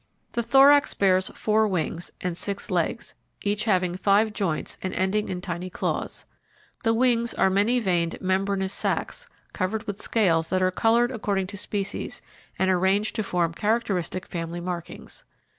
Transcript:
The thorax bears four wings, and six legs, each having five joints and ending in tiny claws. The wings are many veined membranous sacs, covered with scales that are coloured according to species and arranged to form characteristic family markings.